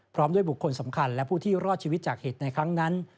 พร้อมด้วยบุคคลสำคัญและผู้ที่รอดชีวิตจากเหตุในครั้งนั้น